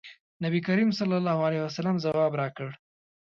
نبي کریم صلی الله علیه وسلم ځواب راکړ.